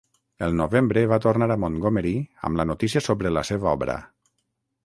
El novembre va tornar a Montgomery amb la notícia sobre la seva obra.